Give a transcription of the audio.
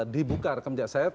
dibuka rekomendasi saya